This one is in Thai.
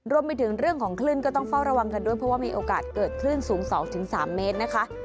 รวมไปถึงเรื่องของคลื่นก็ต้องเฝ้าระวังกันด้วยเพราะว่ามีโอกาสเกิดคลื่นสูง๒๓เมตรนะคะ